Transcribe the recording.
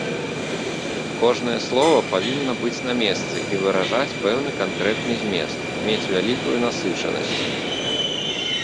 Кожнае слова павінна быць на месцы і выражаць пэўны канкрэтны змест, мець вялікую насычанасць.